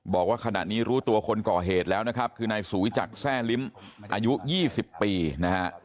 บอกว่าขณะนี้รู้ตัวคนก่อเหตุแล้วนะครับคือนายสุวิจักรแร่ลิ้มอายุ๒๐ปีนะฮะ